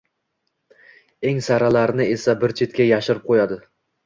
Eng saralarini esa bir chetga yashirib qo‘yadi